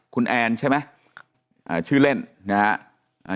คุณแอนใช่ไหมอ่าชื่อเล่นนะฮะ